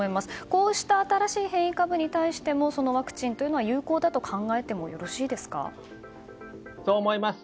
こうした新しい変異株に対してもそのワクチンというのは有効だと考えてもそう思います。